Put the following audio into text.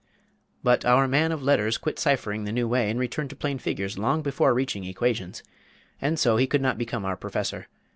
But our man of "letters" quit cyphering the new way, and returned to plain figures long before reaching equations; and so he could not become our professor.